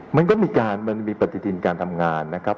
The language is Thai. มันก็มีการมันมีปฏิทินการทำงานนะครับ